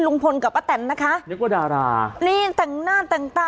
ลุงพลกับป้าแตนนะคะนึกว่าดารานี่แต่งหน้าแต่งตา